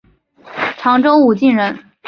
常州武进人。